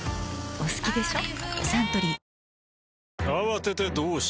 お好きでしょ。